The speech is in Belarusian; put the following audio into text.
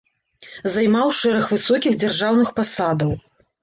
Займаў шэраг высокіх дзяржаўных пасадаў.